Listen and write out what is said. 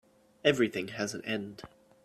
Everything has an end.